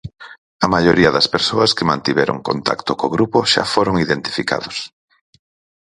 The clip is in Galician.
A maioría das persoas que mantiveron contacto co grupo xa foron identificados.